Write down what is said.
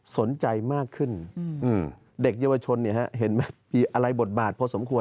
สนใจมากขึ้นเด็กเยาวชนเห็นไหมมีอะไรบทบาทพอสมควร